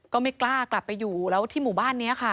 ก็ไม่กล้ากลับไปอยู่แล้วที่หมู่บ้านนี้ค่ะ